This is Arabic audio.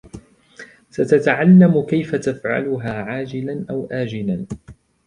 ستتعلم كيف تفعلها عاجلًا أو آجلًا.